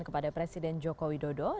kepada presiden joko widodo